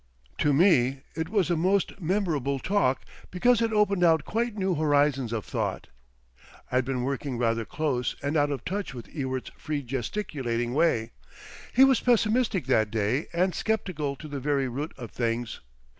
To me it was a most memorable talk because it opened out quite new horizons of thought. I'd been working rather close and out of touch with Ewart's free gesticulating way. He was pessimistic that day and sceptical to the very root of things.